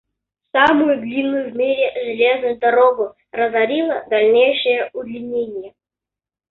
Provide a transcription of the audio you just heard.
Самую длинную в мире железную дорогу разорило дальнейшее удлинение.